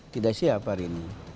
tidak siap hari ini